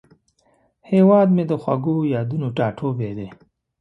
هیواد مې د خوږو یادونو ټاټوبی دی